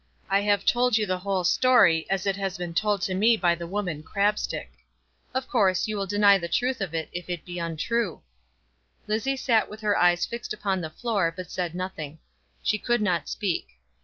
I have told you the whole story, as it has been told to me by the woman Crabstick. Of course, you will deny the truth of it, if it be untrue." Lizzie sat with her eyes fixed upon the floor, but said nothing. She could not speak.